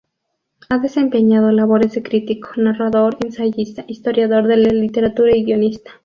Ha desempeñado labores de crítico, narrador, ensayista, historiador de la literatura y guionista.